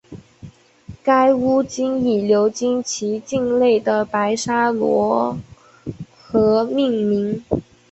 该巫金以流经其境内的白沙罗河命名。